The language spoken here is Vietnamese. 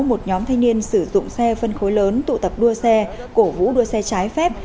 một nhóm thanh niên sử dụng xe phân khối lớn tụ tập đua xe cổ vũ đua xe trái phép